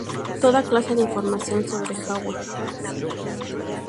Toda clase de información sobre hardware.